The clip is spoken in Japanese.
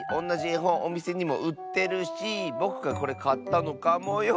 えほんおみせにもうってるしぼくがこれかったのかもよ。